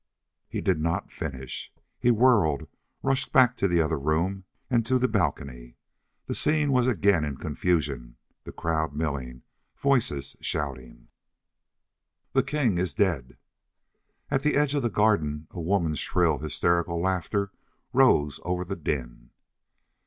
He did not finish. He whirled, rushed back to the other room and to the balcony. The scene was again in confusion the crowd milling, voices shouting: "The king is dead!" At the edge of the garden a woman's shrill, hysterical laughter rose over the din.